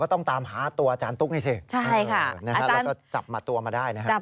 ต้องตามหาตัวอาจารย์ตุ๊กนี่สิแล้วก็จับมาตัวมาได้นะครับ